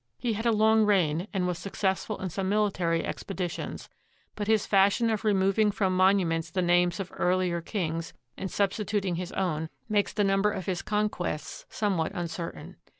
He had a long reign and was successful in some military ex peditions; but his fashion of removing from monuments the names of earlier kings and substituting his own makes the number of his conquests somewhat uncertain.